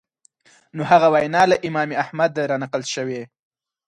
نو هغه وینا له امام احمد رانقل شوې